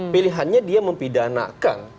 pilihannya dia mempidanakan